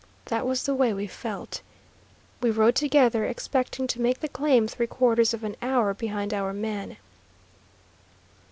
That was the way we felt. We rode together, expecting to make the claim three quarters of an hour behind our man.